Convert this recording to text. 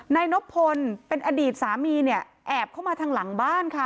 นายนบพลเป็นอดีตสามีเนี่ยแอบเข้ามาทางหลังบ้านค่ะ